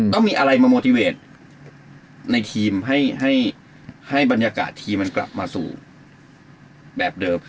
ก็มีอะไรมาโมติเวทในทีมให้บรรยากาศทีมมันกลับมาสู่แบบเดิม